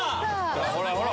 ほらほら！